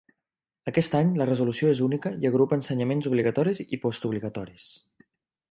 Aquest any la resolució és única i agrupa ensenyaments obligatoris i postobligatoris.